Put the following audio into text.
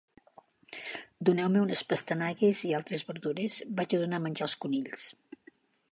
Doneu-me unes pastanagues i altres verdures, vaig a donar menjar als conills.